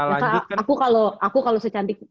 lanjutkan aku kalau secantik